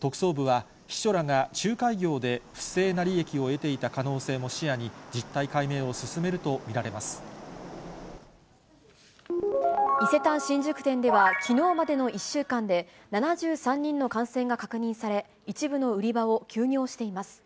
特捜部は、秘書らが仲介業で不正な利益を得ていた可能性も視野に、実態解明伊勢丹新宿店では、きのうまでの１週間で、７３人の感染が確認され、一部の売り場を休業しています。